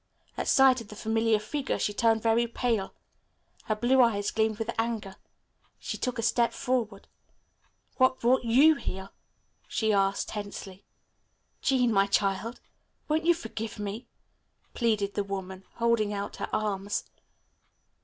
At sight of the familiar figure she turned very pale. Her blue eyes gleamed with anger. She took a step forward. "What brought you here?" she asked tensely. "Jean, my child, won't you forgive me?" pleaded the woman holding out her arms.